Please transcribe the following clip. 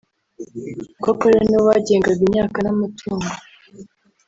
koko rero nibo bagengaga imyaka n’amatungo